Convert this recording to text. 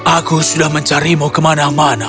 aku sudah mencarimu kemana mana